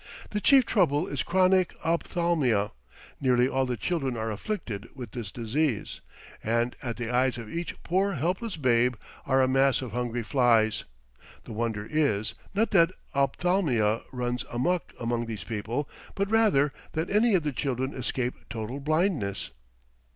The chief trouble is chronic ophthalmia; nearly all the children are afflicted with this disease, and at the eyes of each poor helpless babe are a mass of hungry flies. The wonder is, not that ophthalmia runs amuck among these people, but rather, that any of the children escape total blindness.